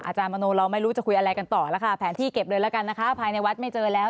อาจารย์มโนเราไม่รู้จะคุยอะไรกันต่อแล้วค่ะแผนที่เก็บเลยแล้วกันนะคะภายในวัดไม่เจอแล้ว